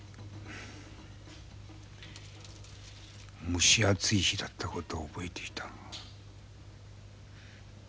蒸し暑い日だった事を覚えていたが。